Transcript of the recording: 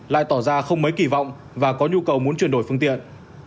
lại tỏ ra không mấy kỳ vọng và có nhu cầu muốn chuyển đổi phương tiện